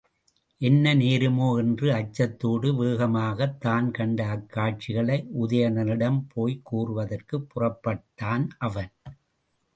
என்ன நேருமோ என்ற அச்சத்தோடு வேகமாகத் தான் கண்ட அக்காட்சிகளை உதயணனிடம் போய்க் கூறுவதற்குப் புறப்பட்டான் அவன்.